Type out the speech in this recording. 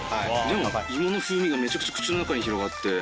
でも芋の風味がめちゃくちゃ口の中に広がって。